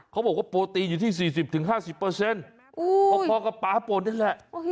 เค้าบอกว่าโปตีนอยู่ที่๔๐ถึง๕๐ครอบครัวกระปะปลอบนี่แหละ